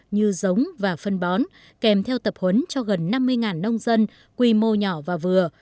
như giống và phân bón kèm theo tập huấn cho gần năm mươi nông dân quy mô nhỏ và vừa